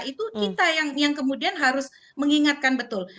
itu kita yang kemudian harus mengingatkan betul